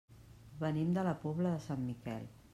Venim de la Pobla de Sant Miquel.